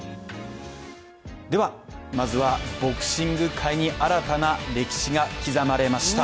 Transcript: ではまずは、ボクシング界に新たな歴史が刻まれました。